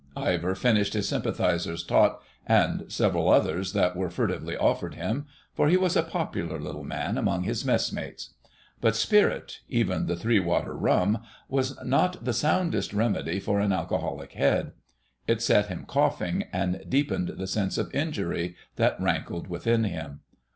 Ivor finished his sympathiser's tot, and several others that were furtively offered him—for he was a popular little man among his messmates. But spirit—even "three water" rum—is not the soundest remedy for an alcoholic head. It set him coughing, and deepened the sense of injury that rankled within him.